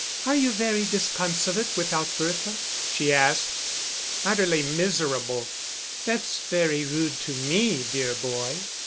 "Are you very disconsolate without Bertha?" she asked. "Utterly miserable!" "That's very rude to me, dear boy."